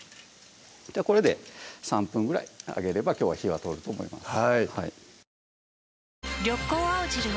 これで３分ぐらい揚げればきょうは火が通ると思います